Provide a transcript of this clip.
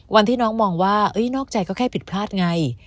วันที่น้องมองว่านอกใจก็แค่ผิดพลาดไง